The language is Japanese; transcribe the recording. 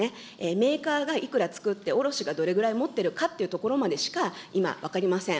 メーカーがいくら作って卸しがどれくらい持っているかというところまでしか今分かりません。